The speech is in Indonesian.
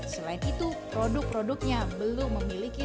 selain itu produk produknya belum memiliki